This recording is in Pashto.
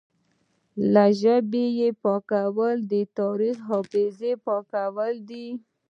له ژبې یې پاکول د تاریخي حافظې پاکول دي